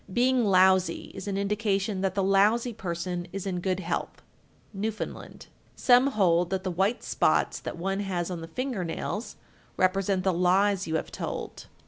Being lousy is an indication that the lousy person is in good health. Newfoundland. 1370. Some hold that the white spots that one has on the finger nails represent the lies you have told.